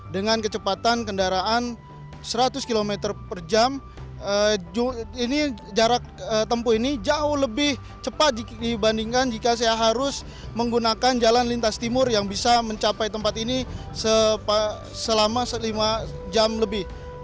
dengan kecepatan kendaraan seratus km per jam jarak tempuh ini jauh lebih cepat dibandingkan jika saya harus menggunakan jalan lintas timur yang bisa mencapai tempat ini selama lima jam lebih